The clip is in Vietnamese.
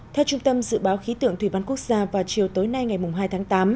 theo trung tâm dự báo khí tượng thủy văn quốc gia vào chiều tối nay ngày hai tháng tám